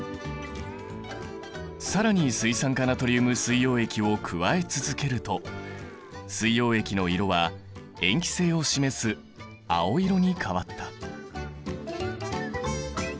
更に水酸化ナトリウム水溶液を加え続けると水溶液の色は塩基性を示す青色に変わった。